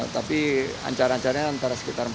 tapi ancar ancarnya antara sekitar empat puluh sampai lima puluh